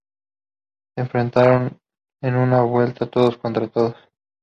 Se enfrentaron en una vuelta todos contra todos.